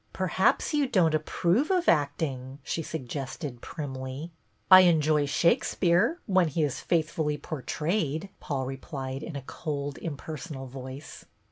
" Perhaps you don't approve of acting," she suggested primly. " I enjoy Shakespeare, when he is faith fully portrayed," Paul replied in a cold, impersonal voice.